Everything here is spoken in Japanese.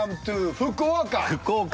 福岡！